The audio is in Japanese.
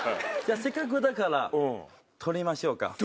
じゃあせっかくだから取りましょうか。